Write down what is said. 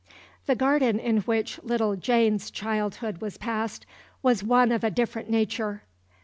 The garden in which little Jane's childhood was passed was one of a different nature.